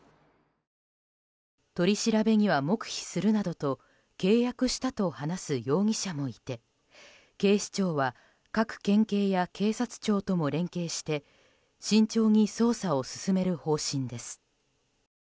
取り調べには黙秘するなどと契約したと話す容疑者もいて警視庁は各県警や警察庁とも連携して慎重に捜査を進める方針です。